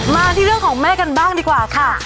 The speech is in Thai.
มาที่เรื่องของแม่กันบ้างดีกว่าค่ะ